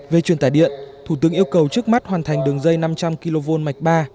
về truyền tải điện thủ tướng yêu cầu trước mắt hoàn thành đường dây năm trăm linh kv mạch ba